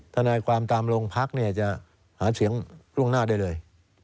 ทนายความตามโรงพักเนี่ยจะหาเสียงล่วงหน้าได้เลย